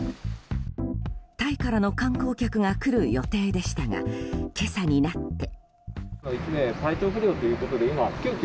タイからの観光客が来る予定でしたが今朝になって。